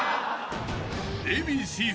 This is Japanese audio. ［Ａ．Ｂ．Ｃ−Ｚ